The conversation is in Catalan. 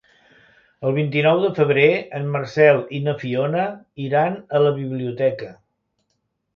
El vint-i-nou de febrer en Marcel i na Fiona iran a la biblioteca.